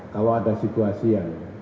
kalau ada situasi yang